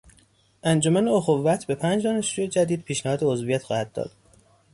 انجمن اخوت به پنج دانشجوی جدید پیشنهاد عضویت خواهد داد.